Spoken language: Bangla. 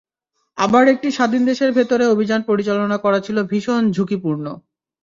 আবার একটি স্বাধীন দেশের ভেতরে অভিযান পরিচালনা করা ছিল ভীষণ ঝুঁকিপূর্ণ।